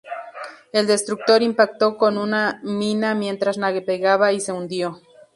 El destructor impactó con una mina mientras navegaba y se hundió.